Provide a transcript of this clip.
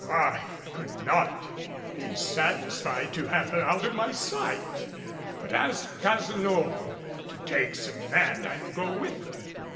I could not be satisfied to have her out of my sight, but asked Cazenove to take some men and go with her.